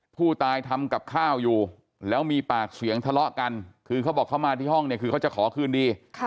ผู้ตายทำกับข้าวอยู่แล้วมีปากเสียงทะเลาะกันคือเขาบอกเขามาที่ห้องเนี่ยคือเขาจะขอคืนดี